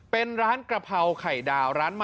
เป็นร้านกระเภาไข่ดาว